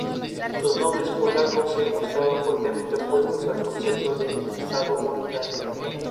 Es en esos ambientes donde encuentra su alimento en abundancia.